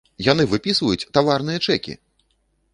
Яны выпісваюць таварныя чэкі!